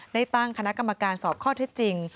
ได้ตั้งคณะกรรมการสอบข้อเท็จจริง